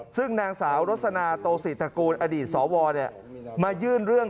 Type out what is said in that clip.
ซึ่งนางสาวรสนาโตศิตระกูลอดีตสวมายื่นเรื่อง